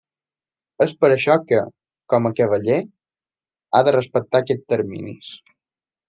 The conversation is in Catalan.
És per això que, com a cavaller, ha de respectar aquests terminis.